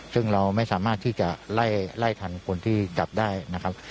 ซึ่งเราไม่สามารถที่จะไล่ทันคนที่จับได้นะครับ